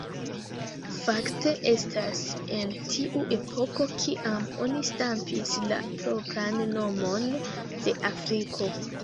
Fakte estas en tiu epoko kiam oni stampis la propran nomon de Afriko.